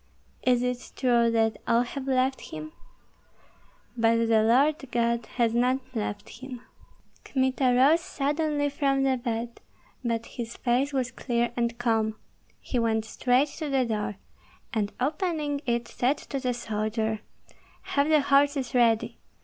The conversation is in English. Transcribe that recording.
"Is it true that all have left him?" "But the Lord God has not left him." Kmita rose suddenly from the bed, but his face was clear and calm; he went straight to the door, and opening it said to the soldier, "Have the horses ready!